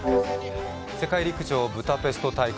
世界陸上ブダペスト大会